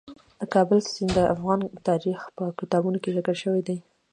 د کابل سیند د افغان تاریخ په کتابونو کې ذکر شوی دي.